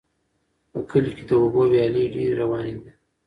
په کلي کې د اوبو ویالې ډېرې روانې دي.